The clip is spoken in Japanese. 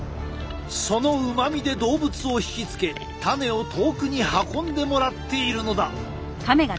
そのうまみで動物を引き付け種を遠くに運んでもらっているのだ！